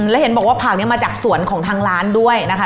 แล้วเห็นบอกว่าผักนี้มาจากสวนของทางร้านด้วยนะคะ